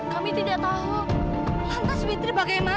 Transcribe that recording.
kami tidak tahu lantas fitri bagaimana